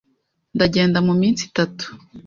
Ndagenda muminsi itatu.